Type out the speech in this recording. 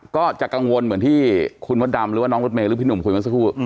ก็จะกังวลเหมือนที่คุณมดดำหรือว่าน้องรถเมย์หรือพี่หนุ่มคุยมาสักครู่